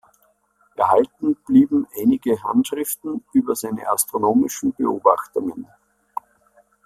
Erhalten blieben einige Handschriften über seine astronomischen Beobachtungen.